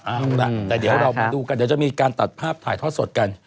เอาล่ะแต่เดี๋ยวเรามาดูกันเดี๋ยวจะมีการตัดภาพถ่ายทอดสดกัน